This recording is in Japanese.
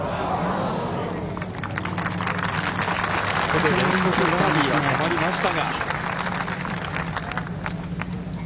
ここで連続バーディーは止まりましたが。